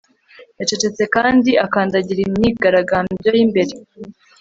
Yacecetse kandi akandagira imyigaragambyo yimbere